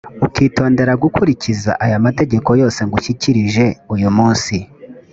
ukitondera gukurikiza aya mategeko yose ngushyikirije uyu munsi.